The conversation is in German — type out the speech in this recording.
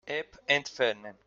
App entfernen.